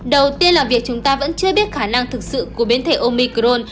đầu tiên là việc chúng ta vẫn chưa biết khả năng thực sự của biến thể omicron